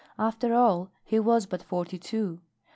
After all, he was but forty two.